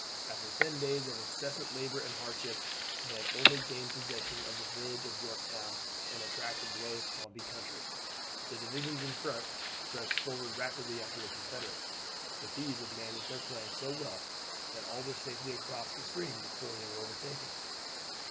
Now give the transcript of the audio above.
After ten days of incessant labor and hardship they had only gained possession of the village of Yorktown and a tract of low swampy country. The divisions in front pressed forward rapidly after the Confederates; but these had managed their plan so well that all were safely across the stream before they were overtaken.